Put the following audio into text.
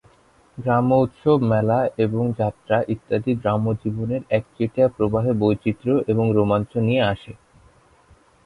গ্রাম্য উৎসব, মেলা, এবং যাত্রা ইত্যাদি গ্রাম্য জীবনের একচেটিয়া প্রবাহে বৈচিত্র্য এবং রোমাঞ্চ নিয়ে আসে।